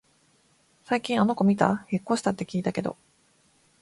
最近あの子みた？引っ越したって聞いたけど